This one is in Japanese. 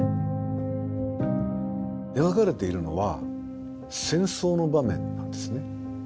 描かれているのは戦争の場面なんですね。